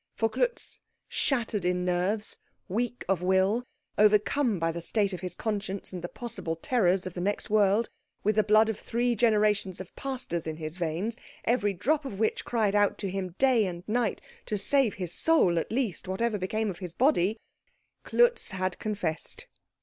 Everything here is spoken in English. For Klutz, shattered in nerves, weak of will, overcome by the state of his conscience and the possible terrors of the next world, with the blood of three generations of pastors in his veins, every drop of which cried out to him day and night to save his soul at least, whatever became of his body, Klutz had confessed.